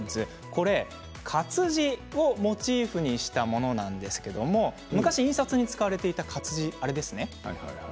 これ、活字をモチーフにしたものなんですけども昔、印刷に使われていた活字あれですね。